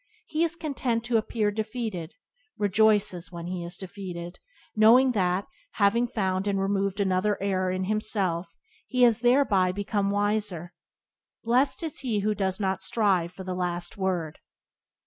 He is content to appear defeated; rejoices when he is defeated, knowing that, having found and removed another error in himself he has thereby become wiser. Blessed is he who does not strive for the last word!